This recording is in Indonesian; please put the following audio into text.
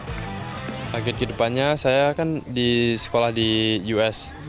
target kedepannya saya kan di sekolah di us